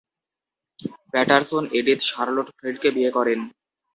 Patterson Edith Charlotte ফ্রিডকে বিয়ে করেন।